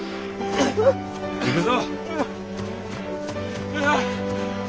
行くぞ。